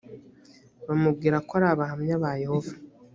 bamubwira ko ari abahamya ba yehova